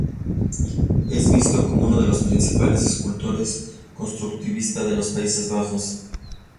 Es visto como uno de los principales escultores constructivistas de los Países Bajos.